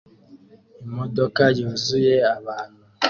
Imodoka yuzuye abantu